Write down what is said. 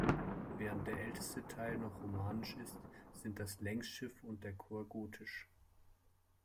Während der älteste Teil noch romanisch ist, sind das Längsschiff und der Chor gotisch.